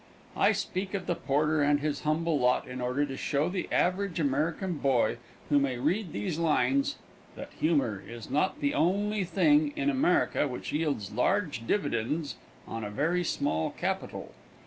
I speak of the porter and his humble lot in order to show the average American boy who may read these lines that humor is not the only thing in America which yields large dividends on a very small capital.